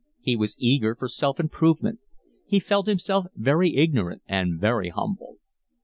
He was eager for self improvement. He felt himself very ignorant and very humble.